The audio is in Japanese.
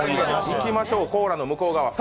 いきましょう、コーラの向こう側。